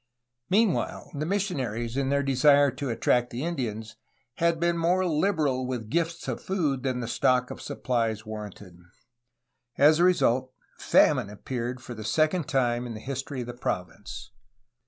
Mean while, the missionaries, in their desire to attract the Indians, had been more liberal with gifts of food than the stock of suppUes warranted. As a result, famine appeared for the second time in the history of the province.